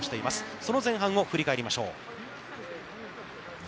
その前半を振り返りましょう。